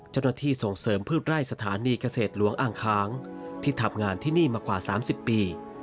เจ้าหน้าที่ส่งเสริมพืชไร่สถานีเกษตรหลวงอ่างค้างที่ทำงานที่นี่มากว่า๓๐ปี